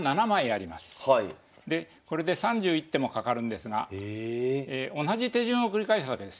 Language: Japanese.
でこれで３１手もかかるんですが同じ手順を繰り返すわけです。